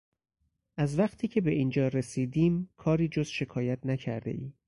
از وقتی که به اینجا رسیدیم کاری جز شکایت نکردهای.